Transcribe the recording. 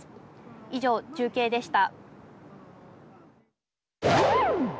以上、中継でした。